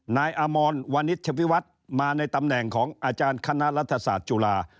นายอมรวานิชวิวัฒน์มาในตำแหน่งของอาจารย์คณะรัฐศาสตร์จุฬา